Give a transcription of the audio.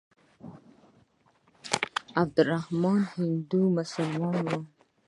عبدالرحمن هندو مسلمان وو.